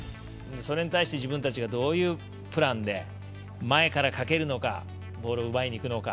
それに対して、自分たちがどういうプランで前からかけるのかボールを奪いにいくのか。